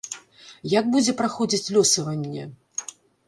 Як будзе праходзіць лёсаванне?